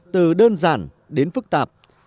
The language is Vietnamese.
từ đơn giản đến phức tạp